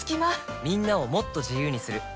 みんなをもっと自由にする「三菱冷蔵庫」